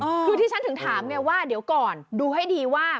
คือที่ฉันถึงถามไงว่าเดี๋ยวก่อนดูให้ดีว่า